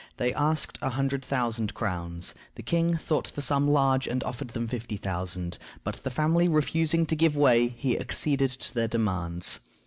They asked a hundred thousand crowns. The king thought the sum large, and offered fifty thousand, but the family refusing to give way, he acceded to their demands.